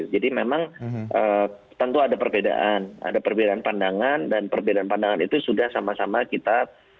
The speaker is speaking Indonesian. jadi memang tentu ada perbedaan ada perbedaan pandangan dan perbedaan pandangan itu sudah sama sama kita